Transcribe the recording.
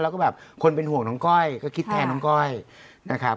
แล้วก็แบบคนเป็นห่วงน้องก้อยก็คิดแทนน้องก้อยนะครับ